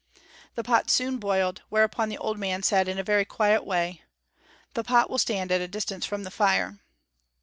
The pot soon boiled, whereupon the old man said in a very quiet way: "The pot will stand at a distance from the fire."